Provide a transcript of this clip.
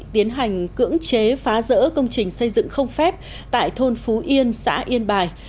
tiến hành cưỡng chế phá rỡ công trình xây dựng không phép tại thôn phú yên xã yên bài